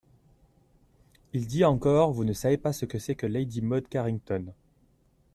Il dit encore : «Vous ne savez pas ce que c'est que lady Maud Carington.